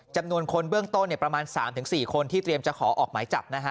จำนวนคนเบื้องต้นประมาณ๓๔คนที่เตรียมจะขอออกหมายจับนะฮะ